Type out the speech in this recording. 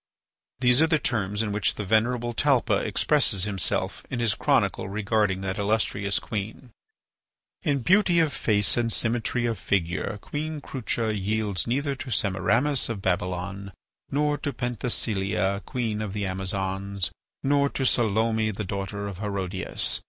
These are the terms in which the venerable Talpa expresses himself in his chronicle regarding that illustrious queen: "In beauty of face and symmetry of figure Queen Crucha yields neither to Semiramis of Babylon nor to Penthesilea, queen of the Amazons; nor to Salome, the daughter of Herodias.